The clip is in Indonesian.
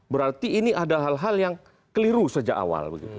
berarti ini ada hal hal yang keliru sejak awal